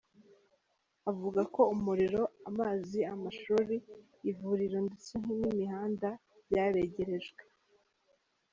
Avuga ko umuriro, amazi, amashuri, ivuriro ndetse n’imihanda byabegerejwe.